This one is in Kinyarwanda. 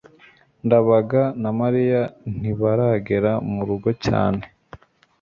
ndabaga na mariya ntibaragera murugo cyane